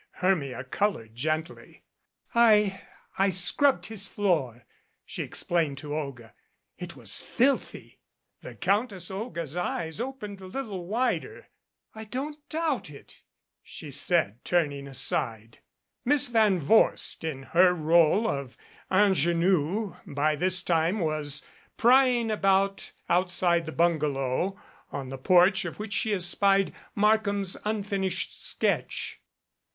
Hermia colored gently. "I I scrubbed his floor," she explained to Olga. "It was filthy." 52 THE RESCUE The Countess Olga's eyes opened a trifle wider. "I don't doubt it," she said, turning aside. Miss Van Vorst in her role of ingenue by this time was prying about outside the bungalow, on the porch of which she espied Markham's unfinished sketch.